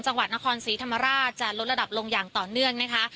จังหวัดนครศรีธรรมราชจะลดระดับลงอย่างต่อเนื่องนะคะ